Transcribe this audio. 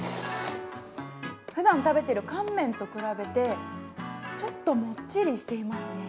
ふだん食べている乾麺と比べてちょっともっちりしていますね。